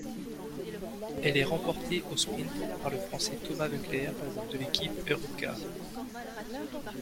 Elle est remportée au sprint par le Français Thomas Voeckler, de l'équipe Europcar.